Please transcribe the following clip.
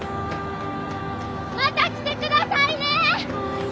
また来てくださいね！